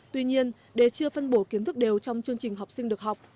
tuy nhiên để chưa phân bổ kiến thức đều trong chương trình học sinh được học